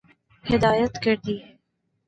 ہدایت کردی ہے